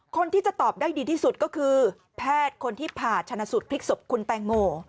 คนที่จะตอบได้ดีที่สุดก็คือแพทย์คนที่ผ่าชนะสูตรพลิกศพคุณแตงโม